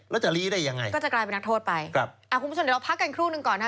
แล้วจะลี้ได้ยังไงก็จะกลายเป็นนักโทษไปครับอ่าคุณผู้ชมเดี๋ยวเราพักกันครู่หนึ่งก่อนนะฮะ